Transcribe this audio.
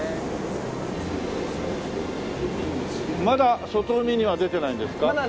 まだ外海には出てないんですか？